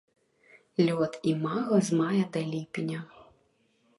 Лёт імага з мая да ліпеня.